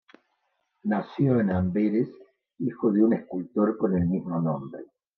Nació en Amberes, hijo de un escultor con el mismo nombre.